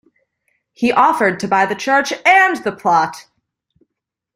He offered to buy the church and the plot.